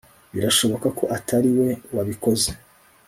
Birashoboka ko atari we wabikoze